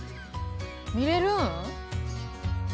見れるん？